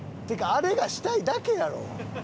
あれがしたいだけやろ。